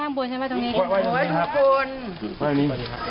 อย่าแบ่อย่างนี้